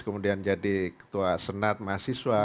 kemudian jadi ketua senat mahasiswa